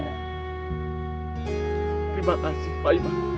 terima kasih pak imam